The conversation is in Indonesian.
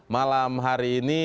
malam hari ini